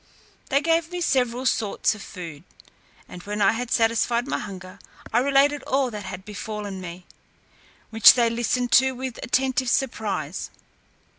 They gave me several sorts of food, and when I had satisfied my hunger, I related all that had befallen me, which they listened to with attentive surprise.